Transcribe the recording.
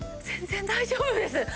全然大丈夫です。